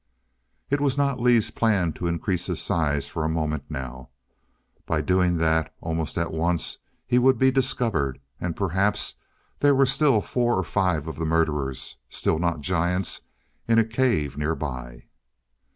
It was not Lee's plan to increase his size for a moment now. By doing that, almost at once he would be discovered. And perhaps there were still four or five of the murderers, still not giants, in a cave nearby.